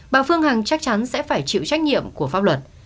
bà phương hằng chắc chắn sẽ phải chịu trách nhiệm của pháp luật